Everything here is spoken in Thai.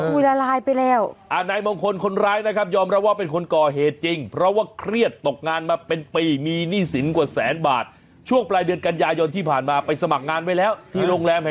ขายไปราคามื่นศรี